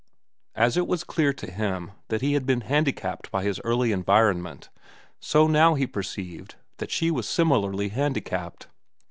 As it was clear to him that he had been handicapped by his early environment, so now he perceived that she was similarly handicapped.